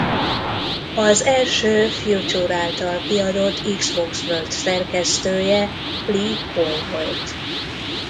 Az első Future által kiadott Xbox World szerkesztője Lee Hall volt.